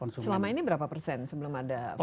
selama ini berapa persen sebelum ada